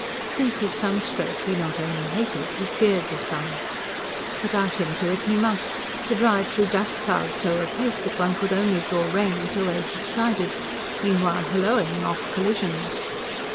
Since his sunstroke he not only hated, he feared the sun. But out into it he must, to drive through dust clouds so opaque that one could only draw rein till they subsided, meanwhile holloaing off collisions.